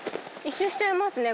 １周しちゃいますね